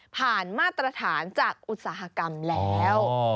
มาตรฐานจากอุตสาหกรรมแล้ว